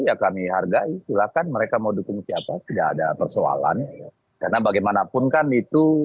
yang kami hargai inginexplosan mereka mau dukung nggak ada persoalan karena bagaimanapun kan itu